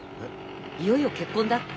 いよいよ結婚だって？